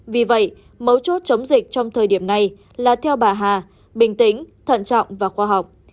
vì vậy mấu chốt chống dịch trong thời điểm này là theo bà hà bình tĩnh thận trọng và khoa học